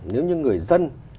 nếu như người dân